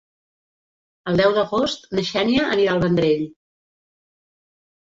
El deu d'agost na Xènia anirà al Vendrell.